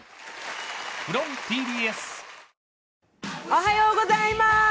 おはようございます。